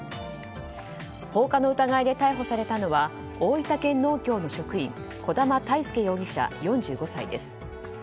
放火の疑いで逮捕されたのは大分県農協の職員児玉泰輔容疑者、４５歳です。